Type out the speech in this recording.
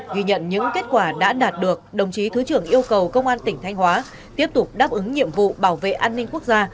ghi nhận những kết quả đã đạt được đồng chí thứ trưởng yêu cầu công an tỉnh thanh hóa tiếp tục đáp ứng nhiệm vụ bảo vệ an ninh quốc gia